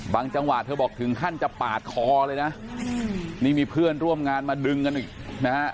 จังหวะเธอบอกถึงขั้นจะปาดคอเลยนะนี่มีเพื่อนร่วมงานมาดึงกันอีกนะฮะ